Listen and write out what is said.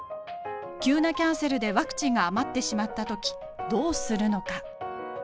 急なキャンセルでワクチンが余ってしまった時どうするのか？